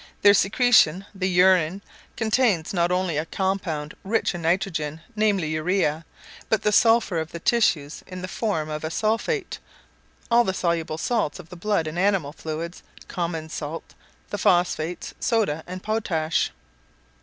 Their secretion, the urine, contains not only a compound rich in nitrogen, namely urea, but the sulphur of the tissues in the form of a sulphate, all the soluble salts of the blood and animal fluids, common salt, the phosphates, soda and potash.